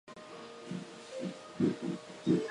中央線